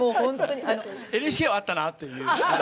ＮＨＫはあったなっていう。